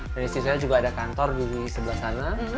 dan istri saya juga ada kantor di sebelah sana